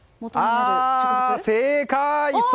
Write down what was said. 正解！